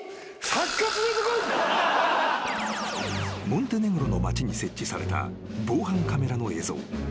［モンテネグロの町に設置された防犯カメラの映像］